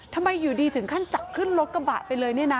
ทำไมอยู่ดีถึงขั้นจับขึ้นรถกระบะไปเลยเนี่ยนะ